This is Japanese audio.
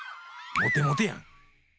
モテモテやん！